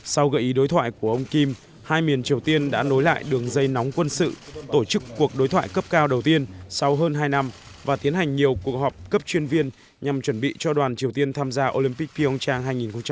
sau gợi ý đối thoại của ông kim hai miền triều tiên đã nối lại đường dây nóng quân sự tổ chức cuộc đối thoại cấp cao đầu tiên sau hơn hai năm và tiến hành nhiều cuộc họp cấp chuyên viên nhằm chuẩn bị cho đoàn triều tiên tham gia olympic pionchang hai nghìn hai mươi